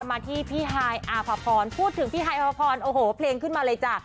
มาที่พี่ฮายอาภพรพูดถึงพี่ฮายอภพรโอ้โหเพลงขึ้นมาเลยจ้ะ